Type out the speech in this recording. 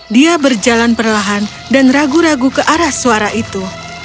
dia berjalan perlahan dan ragu ragu ke arah suara itu